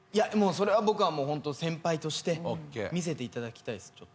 それは僕はもう先輩として見せていただきたいです。